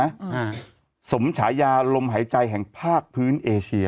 อ่าสมฉายาลมหายใจแห่งภาคพื้นเอเชีย